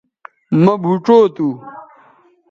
مہ بھوچو تھو